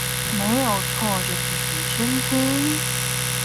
沒有錯就是隨身聽